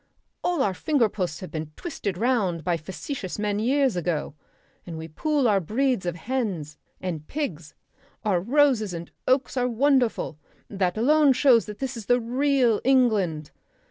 All our fingerposts have been twisted round by facetious men years ago. And we pool our breeds of hens and pigs. Our roses and oaks are wonderful; that alone shows that this is the real England.